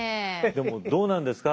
でもどうなんですか？